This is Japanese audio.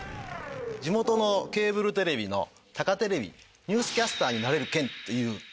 地元のケーブルテレビのたかテレビニュースキャスターになれる券という返礼品があるんです。